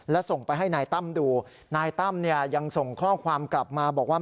และส่งไปให้นายตั้มดูนายตั้มเนี่ยยังส่งข้อความกลับมาบอกว่า